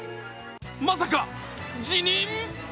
まさか辞任？